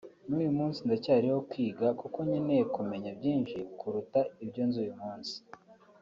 n’uyu munsi ndacyarimo kwiga kuko nkeneye kumenya byinshi kuruta ibyo nzi uyu munsi